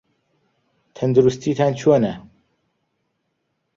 تەندروستیتان چۆنە؟